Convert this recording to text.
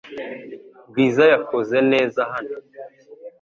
Bwiza yakoze neza hano .